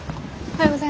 ・はい。